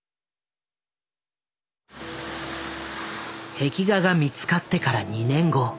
壁画が見つかってから２年後。